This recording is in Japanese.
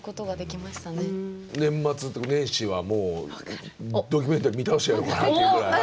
年末年始はもうドキュメンタリー見倒してやろうかなというぐらい。